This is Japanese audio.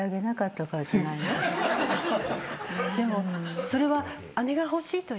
でもそれは。